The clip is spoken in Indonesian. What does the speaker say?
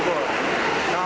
kalau biasa lewat cibubur